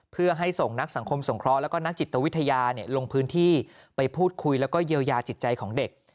เพื่อให้ส่งนักสังคมสงเคราะห์แล้วก็นักจิตวิทยาลงพื้นที่ไปพูดคุยแล้วก็เยียวยาจิตใจของเด็ก